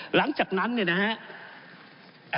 หลังจากนั้นเนี่ยนะฮะ